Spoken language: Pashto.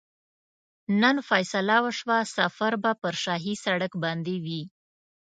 نن فیصله وشوه سفر به پر شاهي سړک باندې وي.